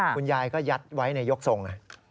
คุณยายก็ยัดไว้ในยกทรง